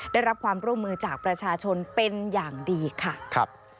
ได้รับความร่วมมือจากประชาชนเป็นอย่างดีค่ะ